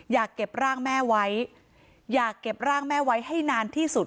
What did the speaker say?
อยากเก็บร่างแม่ไว้อยากเก็บร่างแม่ไว้ให้นานที่สุด